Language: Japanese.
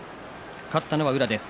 勝ったのは宇良です。